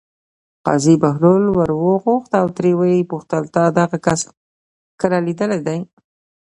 قاضي بهلول ور وغوښت او ترې ویې پوښتل: تا دغه کس کله لیدلی دی.